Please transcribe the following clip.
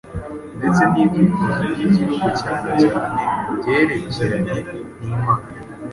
ndetse n’ibyifuzo by’Igihugu cyanecyane mu byerekeranye nimana